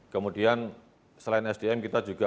kemudian selain sdm kita juga